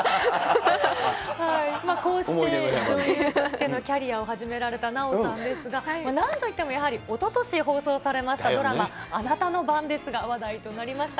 こうして、女優としてのキャリアを始められた奈緒さんですが、なんといってもやはり、おととし放送されましたドラマ、あなたの番ですが話題となりました。